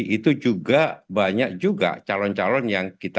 itu juga banyak juga calon calon yang kita